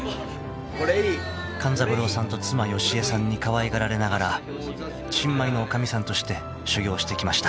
［勘三郎さんと妻好江さんにかわいがられながら新米の女将さんとして修業してきました］